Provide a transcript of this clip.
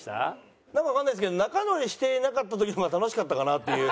なんかわかんないですけど仲直りしてなかった時の方が楽しかったかなっていう。